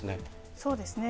そうですね。